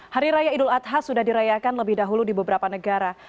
hari raya idul adha sudah dirayakan lebih dahulu di beberapa negara